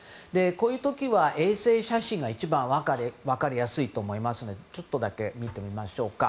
こういう時は衛星写真が、一番分かりやすいと思いますのでちょっとだけ見てみましょうか。